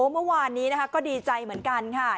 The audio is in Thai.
เมื่อวานนี้นะคะก็ดีใจเหมือนกันค่ะ